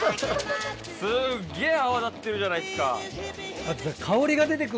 すっげぇ泡立ってるじゃないですか。